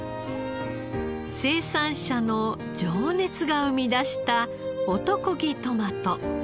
生産者の情熱が生み出した男気トマト。